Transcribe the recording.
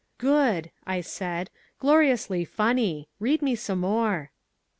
'" "Good," I said, "gloriously funny; read me some more."